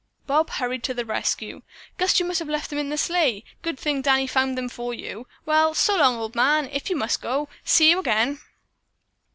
Bob hurried to the rescue. "Guess you must have left them in the sleigh. Good thing Danny found them for you. Well, so long, old man, if you must go. See you again."